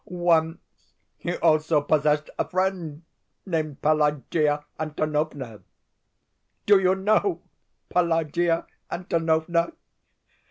Once he also possessed a friend named Pelagea Antonovna. Do you know Pelagea Antonovna?